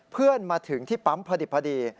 เพื่อนมาถึงที่ปั๊มพอดี